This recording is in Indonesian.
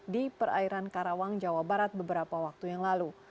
di perairan karawang jawa barat beberapa waktu yang lalu